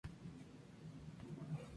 Respeto e igualdad de oportunidades.